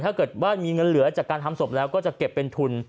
ถ้าเกิดว่ามีเงินเหลือจากการทำศพแล้วก็จะเก็บเป็นทุน